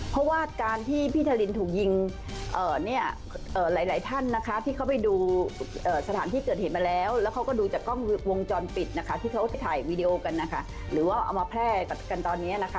เพราะว่าการที่พี่ทารินถูกยิงเนี่ยหลายท่านนะคะที่เขาไปดูสถานที่เกิดเหตุมาแล้วแล้วเขาก็ดูจากกล้องวงจรปิดนะคะที่เขาถ่ายวีดีโอกันนะคะหรือว่าเอามาแพร่กันตอนนี้นะคะ